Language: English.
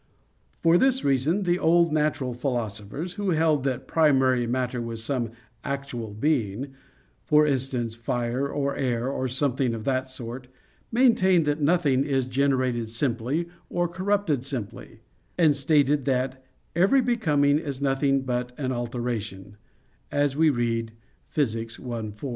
For this reason, the old natural philosophers, who held that primary matter was some actual being for instance, fire or air, or something of that sort maintained that nothing is generated simply, or corrupted simply; and stated that "every becoming is nothing but an alteration," as we read, Phys. i, 4.